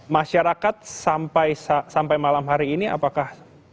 masyarakat sampai malam hari ini apakah